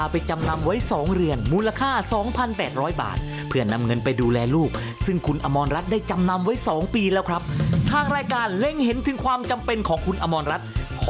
แต่ว่าตอนนี้เราไปถ่ายของจำนำให้คนทางบ้านกันก่อนดีกว่าครับ